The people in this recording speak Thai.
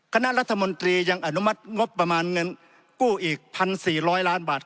คณะรัฐมนตรียังอนุมัติงบประมาณเงินกู้อีก๑๔๐๐ล้านบาท